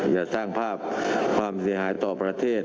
จะสร้างภาพความเสียหายต่อประเทศ